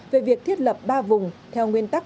về việc thiết lập ba vùng theo nguyên tắc